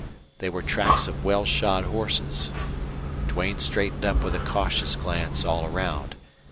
They were tracks of well shod horses. Duane straightened up with a cautious glance all around.